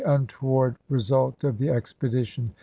untoward result of the expedition.